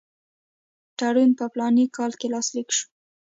تړون په فلاني کال کې لاسلیک شو.